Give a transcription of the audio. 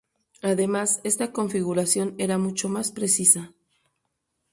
Además, esta configuración era mucho más precisa.